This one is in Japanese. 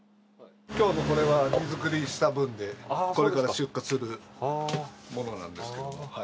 今日のこれは荷造りした分でこれから出荷するものなんですが。